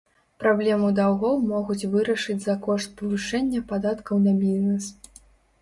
Праблему даўгоў могуць вырашыць за кошт павышэння падаткаў на бізнес.